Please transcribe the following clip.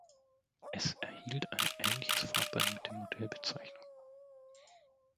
Es erhielt ein ähnliches Farbband mit der Modellbezeichnung.